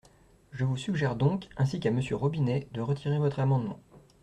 Je vous suggère donc, ainsi qu’à Monsieur Robinet, de retirer votre amendement.